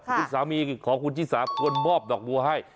คุณสามีของคุณชิสาควรมอบดอกบัวให้